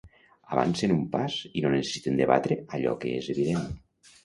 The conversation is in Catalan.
Avancen un pas i no necessiten debatre allò que és evident.